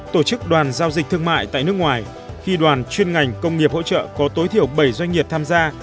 tổ chức đoàn giao dịch thương mại tại nước ngoài khi đoàn chuyên ngành công nghiệp hỗ trợ có tối thiểu bảy doanh nghiệp tham gia